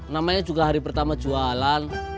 namanya juga hari pertama jualan